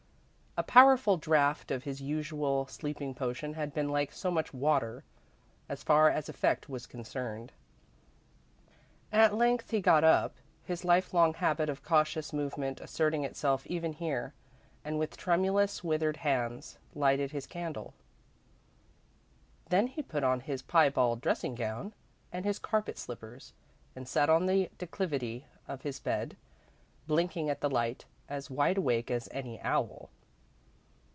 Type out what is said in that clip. A powerful draught of his usual sleeping potion had been like so much water, as far as effect was concerned. At length he got up, his lifelong habit of cautious movement asserting itself even here, and with tremulous, withered hands, lighted his candle. Then he put on his piebald dressing gown and his carpet slippers, and sat on the declivity of his bed, blinking at the light, as wide awake as any owl.